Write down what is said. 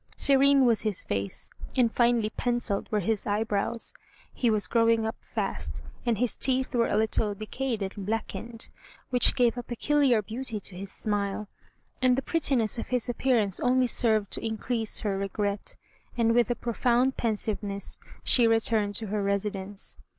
Serene was his face, and finely pencilled were his eyebrows. He was growing up fast, and his teeth were a little decayed and blackened, which gave a peculiar beauty to his smile, and the prettiness of his appearance only served to increase her regret; and with a profound pensiveness she returned to her residence.